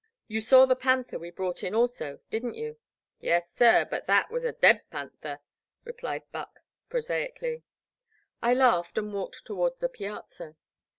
Well, you saw the panther we brought in also, didn't you?" Yes sir, — ^but that was a daid panther," re plied Buck, prosaically. I laughed and walked toward the piazza.